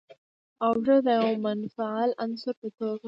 او ښځه د يوه منفعل عنصر په توګه